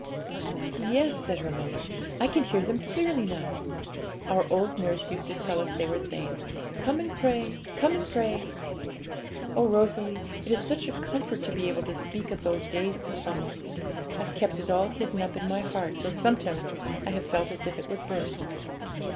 'Yes,' said her mother, 'I can hear them clearly now; our old nurse used to tell us they were saying, "Come and pray, come and pray." Oh, Rosalie, it is such a comfort to be able to speak of those days to some one! I've kept it all hidden up in my heart till sometimes I have felt as if it would burst.'